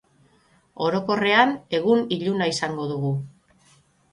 Orokorrean, egun iluna izango dugu.